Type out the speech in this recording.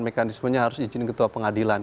mekanismenya harus izin ketua pengadilan